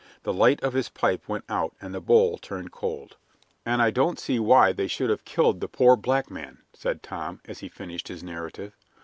The light in his pipe went out and the bowl turned cold. "And I don't see why they should have killed the poor black man," said Tom, as he finished his narrative.